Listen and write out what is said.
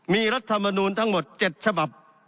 มีรัฐมนูลทั้งหมด๗ฉบับ